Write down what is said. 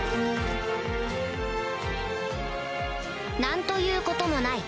何ということもない